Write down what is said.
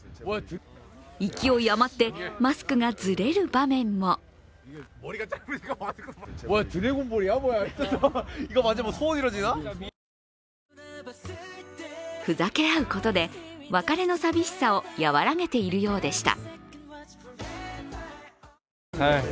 勢い余って、マスクがずれる場面もふざけ合うことで別れの寂しさをやわらげているようでした。